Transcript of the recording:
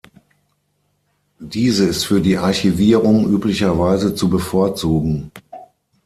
Diese ist für die Archivierung üblicherweise zu bevorzugen.